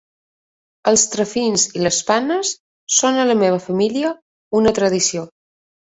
Els trefins i les pannes són en la meva família una tradició.